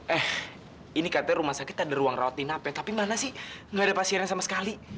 eh ini katanya rumah sakit ada ruang rawat inapnya tapi mana sih nggak ada pasiennya sama sekali